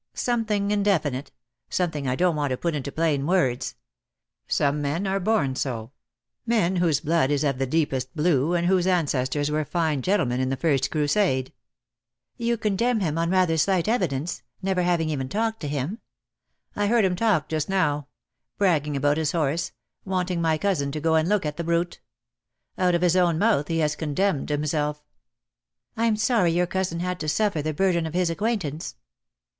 "Something indefinite — something I don't want to put into plain words. Some men are born so, men whose blood is of the deepest blue, and whose ancestors were fine gentlemen in the first Crusade." DEAD LOVE HAS CHAINS. 2 I I "You condemn him on rather slight evidence — never having even talked to him." "I heard him talk just now; bragging about his horse, wanting my cousin to go and look at the brute. Out of his own mouth he has condemned himself." "I'm sorry your cousin had to suffer the burden of his acquaintance."